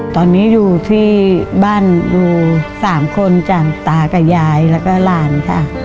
ตอนนี้อยู่ที่บ้านอยู่สามคนจ่างตากับยายและล้านค่ะ